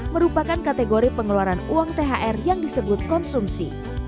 merupakan kategori pengeluaran uang thr yang disebut konsumsi